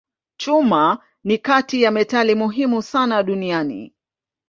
Chuma ni kati ya metali muhimu sana duniani.